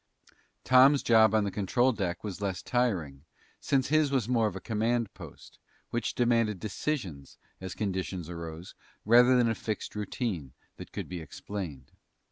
Tom's job on the control deck was less tiring, since his was more of a command post, which demanded decisions, as conditions arose, rather than a fixed routine that could be explained.